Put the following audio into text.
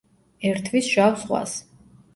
ერთვის შავ ზღვას.